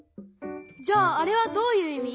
じゃああれはどういういみ？